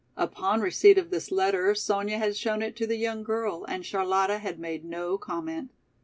Upon receipt of this letter Sonya had showed it to the young girl and Charlotta had made no comment.